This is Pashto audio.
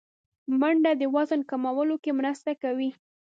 منډه د وزن کمولو کې مرسته کوي